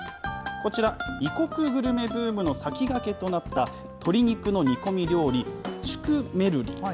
こちら、異国グルメブームの先駆けとなった、鶏肉の煮込み料理、シュクメルリ。